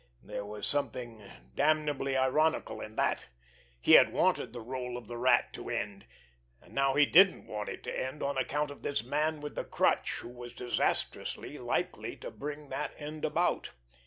There was something damnably ironical in that! He had wanted the rôle of the Rat to end. And now he didn't want it to end on account of this Man with the Crutch, who was disastrously likely to bring that end about!